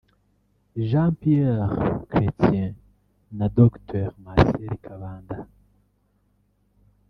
Jean-Pierre Chretien na Dr Marcel Kabanda